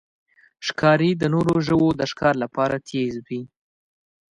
ښکاري د نورو ژوو د ښکار لپاره تیز وي.